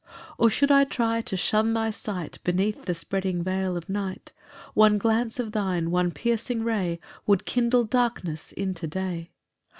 9 Or should I try to shun thy sight Beneath the spreading veil of night, One glance of thine, one piercing ray, Would kindle darkness into day.